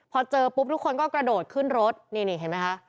พอเจอปุ๊บทุกคนก็กระโดดขึ้นรถนี่นี่เห็นไหมคะ